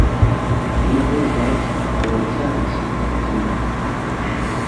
Ni devas fortranĉi ĝin